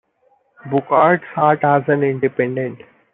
Bouchard sat as an independent.